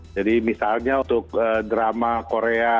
jadi misalnya untuk drama korea